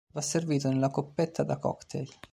Va servito nella coppetta da cocktail.